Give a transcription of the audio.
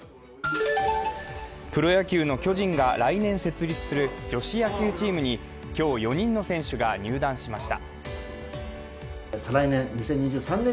プロ野球の巨人が来年設立する女子野球チームに今日４人の選手が入団しました。